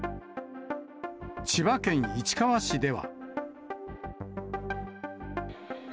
千葉県市川市では。